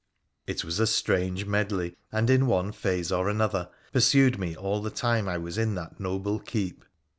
It was a strange medley, and in one phase or another pursued me all the time I was in that noble keep.